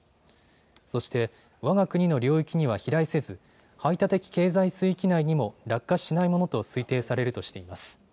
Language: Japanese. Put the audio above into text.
そして、わが国の領域には飛来せず排他的経済水域内にも落下しないものと推定されるとしています。